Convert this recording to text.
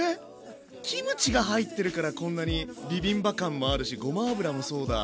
⁉キムチが入ってるからこんなにビビンバ感もあるしごま油もそうだ。